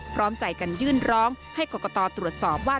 พร้อมใจกันยื่นร้องให้กรกตตรวจสอบว่า